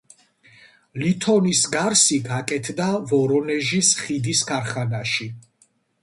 ლითონის გარსი გაკეთდა ვორონეჟის ხიდის ქარხანაში.